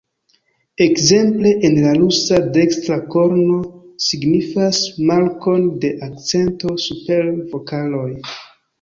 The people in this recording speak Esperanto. Ekzemple en la rusa dekstra korno signifas markon de akcento super vokaloj.